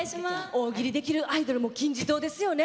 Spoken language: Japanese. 大喜利できるアイドルの金字塔ですよね。